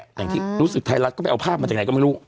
อย่างที่รู้สึกไทยรัฐก็ไปเอาภาพมาจากไหนก็ไม่รู้